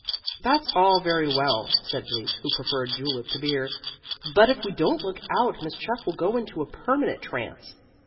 "That's all very well," said Bleak (who preferred julep to beer), "but if we don't look out Miss Chuff will go into a permanent trance.